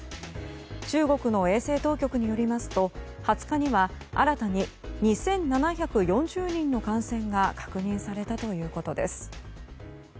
中国の衛生当局によりますと２０日は新たに２７４０人の感染が確認されたということです。